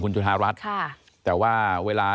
คุณจุธารัฐค่ะแต่ว่าเวลา